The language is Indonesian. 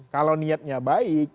kalau niatnya baik